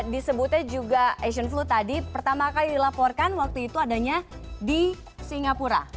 disebutnya juga asian flu tadi pertama kali dilaporkan waktu itu adanya di singapura